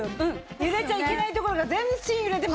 揺れちゃいけないところが全身揺れてます。